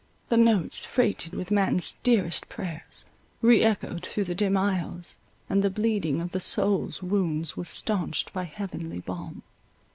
The notes, freighted with man's dearest prayers, re echoed through the dim aisles, and the bleeding of the soul's wounds was staunched by heavenly balm.